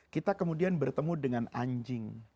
kita kemudian bertemu dengan anjing